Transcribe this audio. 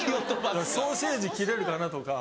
ソーセージ切れるかなとか。